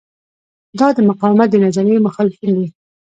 دا د مقاومت د نظریې مخالفین دي.